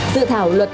sự thảo luật